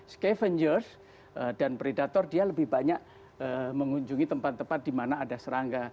scavengers dan predator dia lebih banyak mengunjungi tempat tempat di mana ada serangga